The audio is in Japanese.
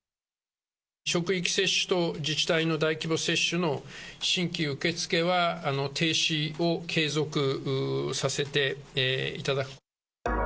職域接種と自治体の大規模接種の新規受け付けは、停止を継続させていただく。